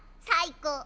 最高！